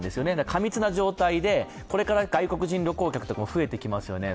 過密な状態で、これから外国人旅行客も増えてきますよね。